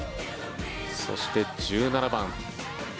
そして、１７番。